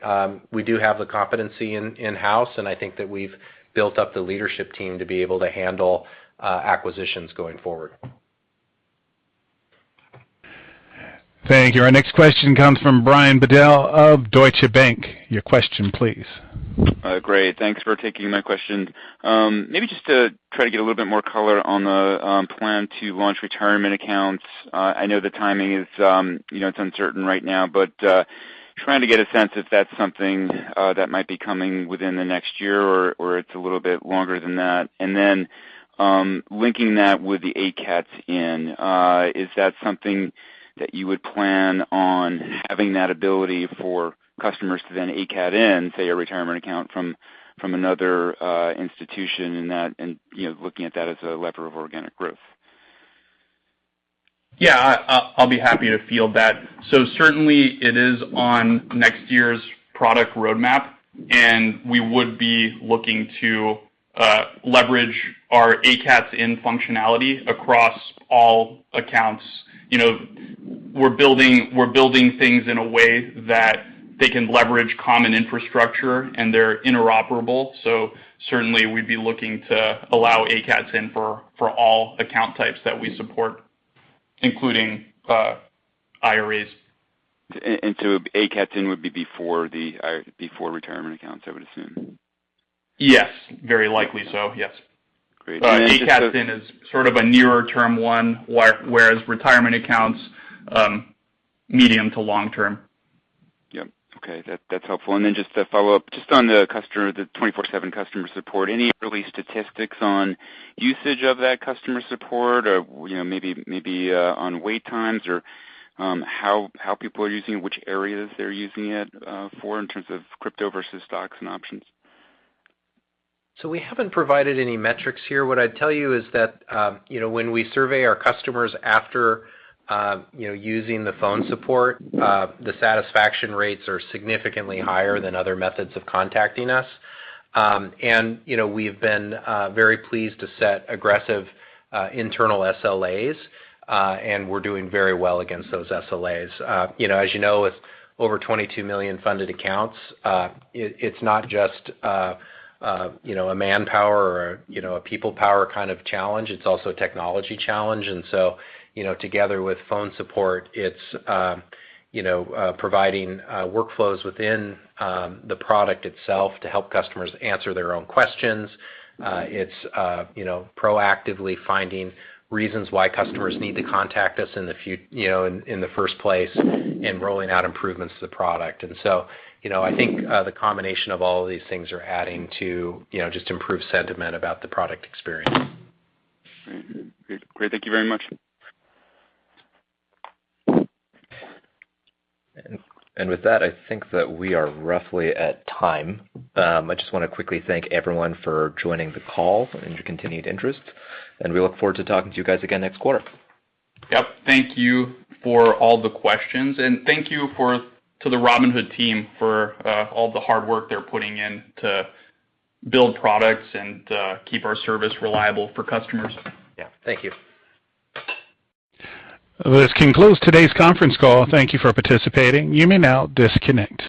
we do have the competency in-house, and I think that we've built up the leadership team to be able to handle acquisitions going forward. Thank you. Our next question comes from Brian Bedell of Deutsche Bank. Your question, please. Great. Thanks for taking my question. Maybe just to try to get a little bit more color on the plan to launch retirement accounts. I know the timing is, you know, it's uncertain right now, but trying to get a sense if that's something that might be coming within the next year or it's a little bit longer than that. And then linking that with the ACATS in, is that something that you would plan on having that ability for customers to then ACAT in, say, a retirement account from another institution and that, and you know looking at that as a lever of organic growth? Yeah, I'll be happy to field that. Certainly it is on next year's product roadmap, and we would be looking to leverage our ACATS in functionality across all accounts. You know, we're building things in a way that they can leverage common infrastructure, and they're interoperable. Certainly we'd be looking to allow ACATS in for all account types that we support, including IRAs. ACATS in would be before the retirement accounts, I would assume. Yes. Very likely so, yes. Great. ACATS in is sort of a nearer-term one, whereas retirement accounts, medium to long-term. Yep. Okay. That's helpful. Just to follow up, just on the customer, the 24/7 customer support, any early statistics on usage of that customer support or, you know, maybe on wait times or, how people are using, which areas they're using it for in terms of crypto versus stocks and options? We haven't provided any metrics here. What I'd tell you is that, you know, when we survey our customers after, you know, using the phone support, the satisfaction rates are significantly higher than other methods of contacting us. You know, we've been very pleased to set aggressive internal SLAs, and we're doing very well against those SLAs. You know, as you know, with over 22 million funded accounts, it's not just, you know, a manpower or, you know, a people power kind of challenge. It's also a technology challenge. You know, together with phone support, it's, you know, providing workflows within the product itself to help customers answer their own questions. It's you know proactively finding reasons why customers need to contact us you know in the first place and rolling out improvements to the product. You know, I think the combination of all of these things are adding to you know just improved sentiment about the product experience. Great. Thank you very much. With that, I think that we are roughly at time. I just wanna quickly thank everyone for joining the call and your continued interest, and we look forward to talking to you guys again next quarter. Yep. Thank you for all the questions, and thank you to the Robinhood team for all the hard work they're putting in to build products and keep our service reliable for customers. Yeah. Thank you. This concludes today's conference call. Thank you for participating. You may now disconnect.